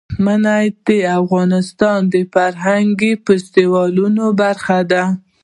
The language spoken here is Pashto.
منی د افغانستان د فرهنګي فستیوالونو برخه ده.